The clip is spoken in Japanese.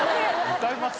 歌いますよ